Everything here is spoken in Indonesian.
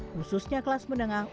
khususnya kelas menengah